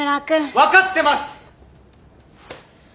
分かってます。